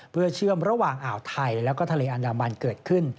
เพื่อเชื่อมระหว่างอ่าวไทยแล้วก็ทะเลอันดามันเกิดขึ้น